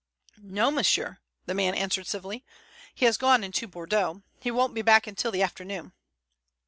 "No, monsieur," the man answered civilly, "he has gone into Bordeaux. He won't be back until the afternoon."